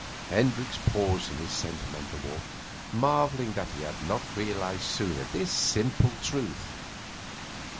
Hendricks paused in his sentimental walk, marvelling that he had not realised sooner this simple truth.